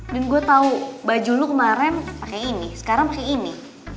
dan gue tau baju lo kemaren pake ini sekarang pake ini